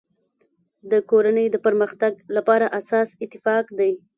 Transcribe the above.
د کورنی د پرمختګ لپاره اساس اتفاق دی.